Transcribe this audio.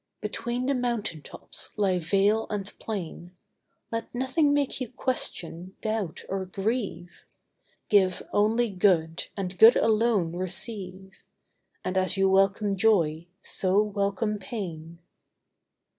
Between the mountain tops lie vale and plain; Let nothing make you question, doubt or grieve; Give only good, and good alone receive; And as you welcome joy, so welcome pain.